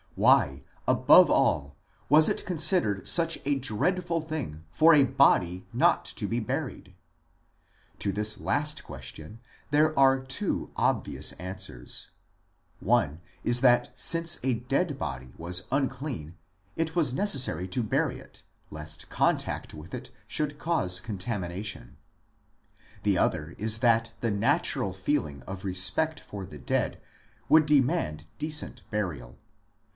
Why, above all, was it considered such a 8 IMMORTALITY AND THE UNSEEN WORLD dreadful thing for a body not to be buried ? To this last question there are two obvious answers : one is that since a dead body was unclean it was necessary to bury it lest contact with it should cause contamination ; the other is that the natural feeling of respect for the dead would demand decent burial.